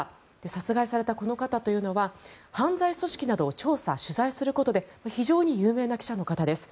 殺害されたこの方は犯罪組織などを調査・取材することで非常に有名な記者の方です。